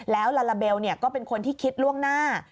แล้วลาลาเบลก็เป็นคนที่คิดล่วงหน้า